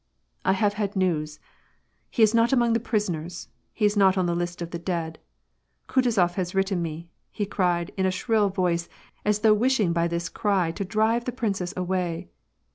" I have had news. He's not among the prisoners, he's not on the list of the dead. Kutuzof has written me," he cried in a shrill voice, as though wishing by this cry to drive the prin cess away.